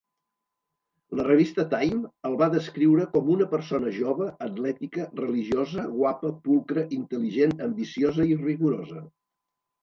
La revista Time el va descriure com una "persona jove, atlètica, religiosa, guapa, pulcra, intel·ligent, ambiciosa i rigorosa".